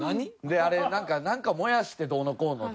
であれなんかを燃やしてどうのこうの。